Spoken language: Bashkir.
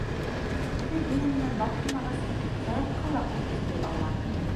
Үҙе һөйөү менән балҡымағас, Саяфҡа ла ҡот өҫтәй алманы.